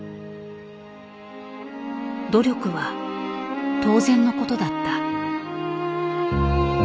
努力は当然のことだった。